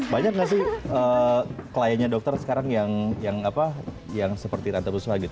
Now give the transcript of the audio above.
banyak gak sih kliennya dokter sekarang yang apa yang seperti tante prusuwagit